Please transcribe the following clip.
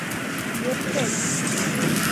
Йӧршеш!